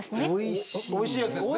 おいしいやつですね。